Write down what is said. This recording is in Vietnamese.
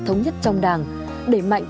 thống nhất trong đảng để mạnh